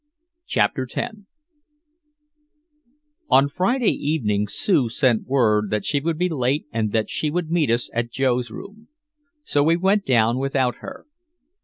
CHAPTER X On Friday evening Sue sent word that she would be late and that she would meet us at Joe's room. So we went down without her.